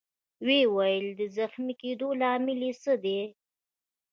ويې ویل: د زخمي کېدو لامل يې څه دی؟